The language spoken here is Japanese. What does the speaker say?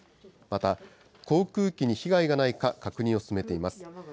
また、航空機に被害がないか確認を進めています。